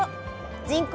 人口